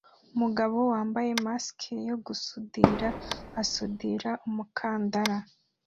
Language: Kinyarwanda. Umugabo wambaye mask yo gusudira asudira umukandara